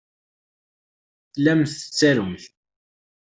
Tellamt tettarumt.